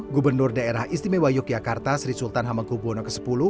gubernur daerah istimewa yogyakarta sri sultan hamengkubwono x